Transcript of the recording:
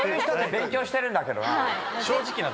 勉強してるんだけどな。